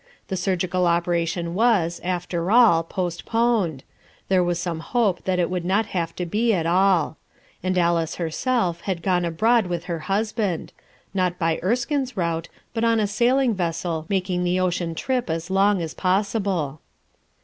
The surgical operation was, after all, postponed; there was some hope that it would not have to be at all; and Alice herself had gone abroad with her husband: not by Erskine's route, but on a sailing vessel, making the ocean trip as long as possible.